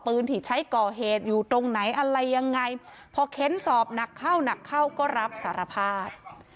ที่ใช้ก่อเหตุอยู่ตรงไหนอะไรยังไงพอเค้นสอบหนักเข้าหนักเข้าก็รับสารภาพ